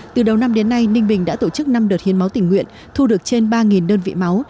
từ đầu năm đến nay ninh bình đã tổ chức năm đợt hiến máu tình nguyện thu được trên ba đơn vị máu